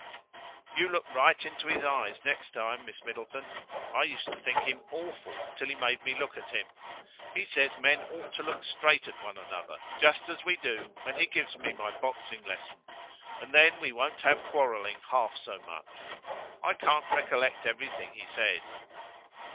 "You look right into his eyes next time, Miss Middleton. I used to think him awful till he made me look at him. He says men ought to look straight at one another, just as we do when he gives me my boxing lesson, and then we won't have quarrelling half so much. I can't recollect everything he says."